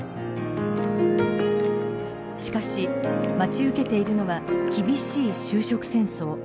しかし待ち受けているのは厳しい就職戦争。